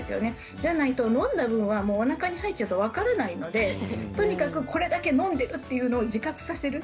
じゃないと飲んだ分はおなかに入って分からないのでとにかくこれだけ飲んでいるというのを自覚させる。